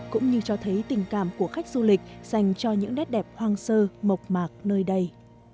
cũng như cho thấy tình cảm của khách du lịch dành cho những nét đẹp hoang sơ mộc mạc nơi đây